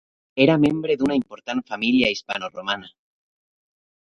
Era membre d'una important família hispanoromana.